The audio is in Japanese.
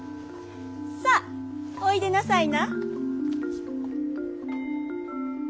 さあおいでなさいな。